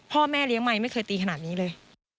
พ่อแม่เลี้ยงไมค์ไม่เคยตีขนาดนี้เลย